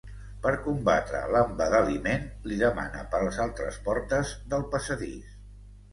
Per combatre l'embadaliment, li demana per les altres portes del passadís.